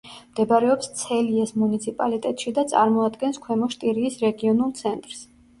მდებარეობს ცელიეს მუნიციპალიტეტში და წარმოადგენს ქვემო შტირიის რეგიონულ ცენტრს.